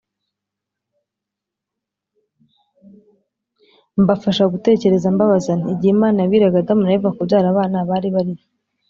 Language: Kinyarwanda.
Mbafasha gutekereza mbabaza nti igihe imana yabwiraga adamu na eva kubyara abana bari bari he